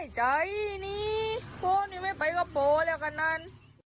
ใจนี้โบ๊ทยังไม่ไปกับโบ๊ทแล้วกันนั้น